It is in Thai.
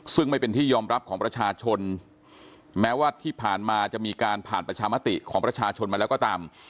ซึ่งไม่เป็นที่ยอมรับของประชาชนแม้ว่าที่ผ่านมาจะมีการผ่านประชามติของประชาชนมาแล้วก็ตาม